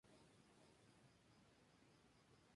Si una nave enemiga toca un puesto de avanzada, es destruido.